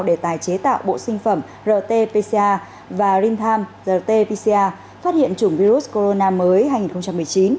để tài chế tạo bộ sinh phẩm rt pca và rintam rt pca phát hiện chủng virus corona mới hai nghìn một mươi chín